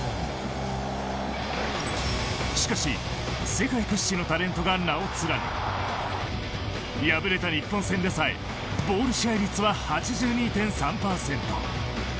しかし世界屈指のタレントが名を連ね敗れた日本戦でさえボール支配率は８２．３％。